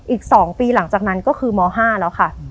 อีก๒ปีหลังจากนั้นก็คือม๕แล้วค่ะ